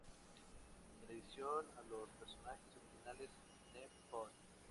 En adicción a los personajes originales "Nee Pon?